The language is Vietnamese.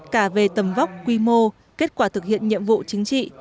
cả về tầm vóc quy mô kết quả thực hiện nhiệm vụ chính trị